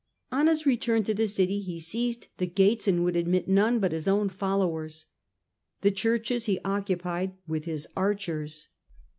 On his return to the city he seized the gates and would admit none but his own followers : the Churches he occupied with his archers.